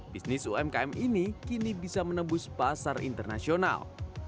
bisnis umkm ini kini bisa menembus pasar internasional